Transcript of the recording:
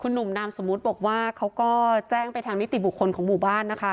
หนุ่มนามสมมุติบอกว่าเขาก็แจ้งไปทางนิติบุคคลของหมู่บ้านนะคะ